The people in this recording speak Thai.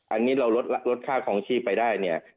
อันนี้เราลดค่าคลองชีพไปได้เนี่ย